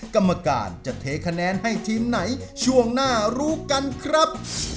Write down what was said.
กรรมการจะเทคะแนนให้ทีมไหนช่วงหน้ารู้กันครับ